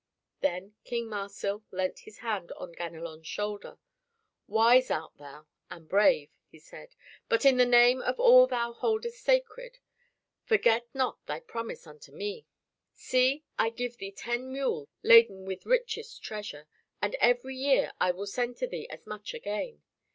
Then King Marsil leant his hand on Ganelon's shoulder. "Wise art thou and brave," he said, "but in the name of all thou holdest sacred, forget not thy promise unto me. See, I give thee ten mules laden with richest treasure, and every year I will send to thee as much again.